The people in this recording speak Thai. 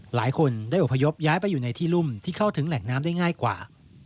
หลายคนได้อพยพย้ายไปอยู่ในที่รุ่มที่เข้าถึงแหล่งน้ำได้ง่ายกว่า